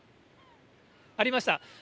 ありました。